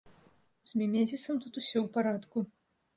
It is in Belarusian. З мімезісам тут усё ў парадку.